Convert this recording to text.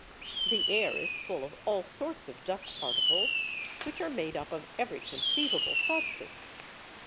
The air is full of all sorts of dust particles which are made up of every conceivable substance.